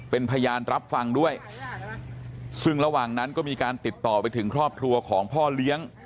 เป็นพยานรับฟังด้วยซึ่งระหว่างนั้นก็มีการติดต่อไปถึงครอบครัวของพ่อเลี้ยง